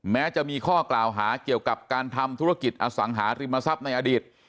แม้จะมีข้อกล่าวหาเกี่ยวกับการทำธุรกิจอสังหาริมทรัพย์ในอดีต